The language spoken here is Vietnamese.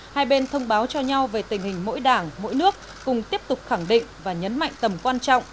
hai bên thông báo cho nhau về tình hình mỗi đảng mỗi nước cùng tiếp tục khẳng định và nhấn mạnh tầm quan trọng